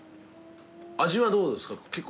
味はどうですか？